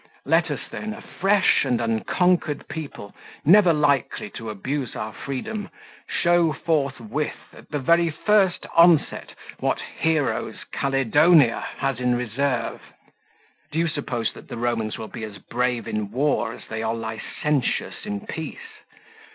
Let us, then, a fresh and unconquered people, never likely to abuse our freedom, show forthwith at the very first onset what heroes Caledonia has in reserve. 32 "Do you suppose that the Romans will be as brave in war as they are licentious in peace?